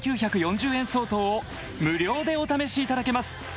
５９４０円相当を無料でお試しいただけます